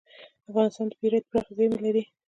افغانستان د بیرایت پراخې زیرمې لري.